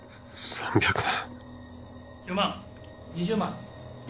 ３００万！